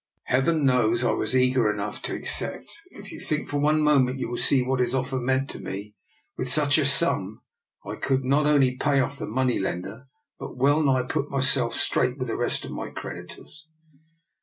Heaven knows I was eager enough to ac cept, and if you think for one moment you will see what his offer meant to me. With such a sum I could not only pay off the money lender, but well nigh put myself straight with the rest of my creditors.